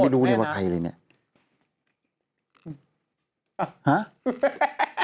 ไค่วะนึตเนี่ยยังไม่รู้ว่าใครสุด